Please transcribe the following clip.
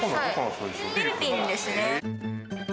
フィリピンですね。